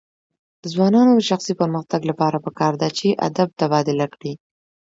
د ځوانانو د شخصي پرمختګ لپاره پکار ده چې ادب تبادله کړي.